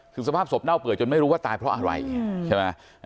คือสภาพศพเน่าเปื่อยจนไม่รู้ว่าตายเพราะอะไรใช่ไหม